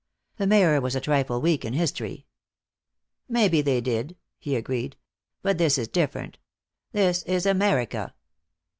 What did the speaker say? The Mayor was a trifle weak in history. "Maybe they did," he agreed. "But this is different. This is America."